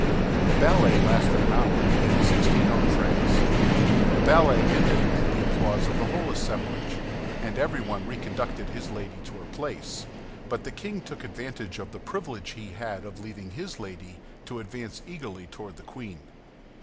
The ballet lasted an hour, and had sixteen entrées. The ballet ended amid the applause of the whole assemblage, and everyone reconducted his lady to her place; but the king took advantage of the privilege he had of leaving his lady, to advance eagerly toward the queen.